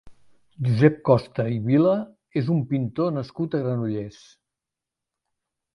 Josep Costa i Vila és un pintor nascut a Granollers.